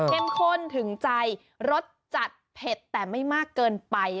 ข้นถึงใจรสจัดเผ็ดแต่ไม่มากเกินไป